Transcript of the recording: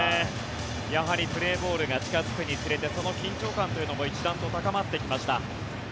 プレーボールが近付くにつれてその緊張感というのも一段と高まってきました。